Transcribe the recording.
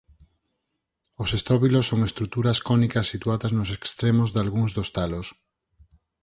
Os estróbilos son estruturas cónicas situadas nos extremos dalgúns dos talos.